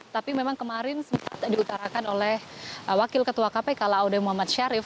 tapi memang kemarin sempat diutarakan oleh wakil ketua kpk laude muhammad syarif